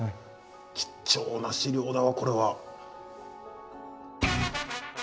貴重な資料だわこれは。